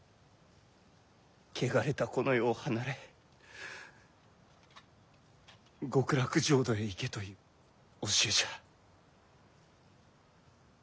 汚れたこの世を離れ極楽浄土へ行けという教えじゃ。